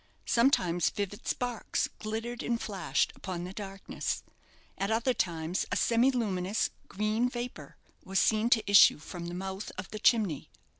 Sometimes vivid sparks glittered and flashed upon the darkness. At other times a semi luminous, green vapour was seen to issue from the mouth of the chimney.